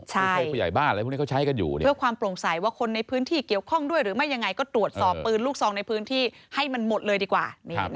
ชายเพราะความปลงใสว่าคนในพื้นที่เกี่ยวข้องด้วยหรือไม่ยังไงก็ตรวจสอบปืนลูกซองในพื้นที่ให้มันหมดเลยดีกวะ